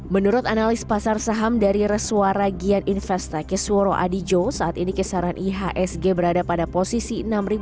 menurut analis pasar saham dari resuara gian investa kisworo adijo saat ini kisaran ihsg berada pada posisi enam delapan ratus